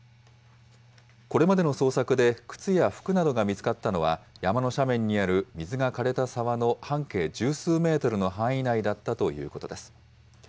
これまでの捜索で、靴や服などが見つかったのは、山の斜面にある水がかれた沢の半径十数メートルの範囲内だったということです。